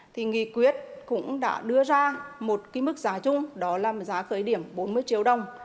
thì nghị quyết cũng đã đưa ra một cái mức giá chung đó là giá khởi điểm bốn mươi triệu đồng